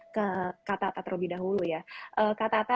kak tata terlebih dahulu ya kak tata